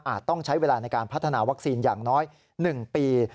ต้องใช้เวลาในการพัฒนาวัคซีนอย่างน้อย๑ปี